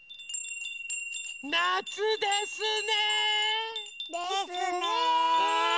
なつですね。ですね。ね。